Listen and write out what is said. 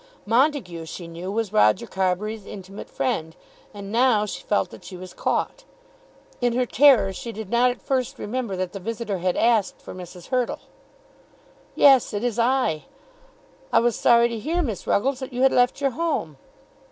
Montague, she knew, was Roger Carbury's intimate friend, and now she felt that she was caught. In her terror she did not at first remember that the visitor had asked for Mrs. Hurtle. "Yes, it is I. I was sorry to hear, Miss Ruggles, that you had left your home."